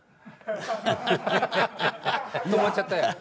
止まっちゃったよ。